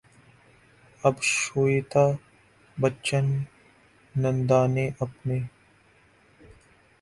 اب شویتا بچن نندا نے اپنی